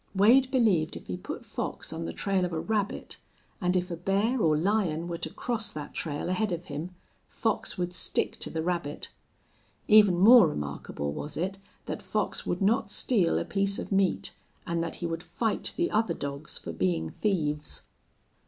Wade believed if he put Fox on the trail of a rabbit, and if a bear or lion were to cross that trail ahead of him, Fox would stick to the rabbit. Even more remarkable was it that Fox would not steal a piece of meat and that he would fight the other dogs for being thieves.